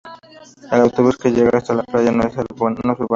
El autobús que llega hasta a la playa no es urbano.